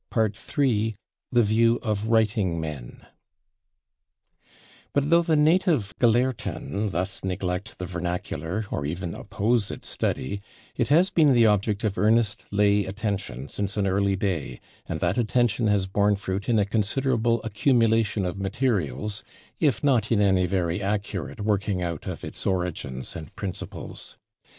§ 3 /The View of Writing Men/ But though the native /Gelehrten/ thus neglect the vernacular, or even oppose its study, it has been the object of earnest lay attention since an early day, and that attention has borne fruit in a considerable accumulation of materials, if not in any very accurate working out of its origins and principles.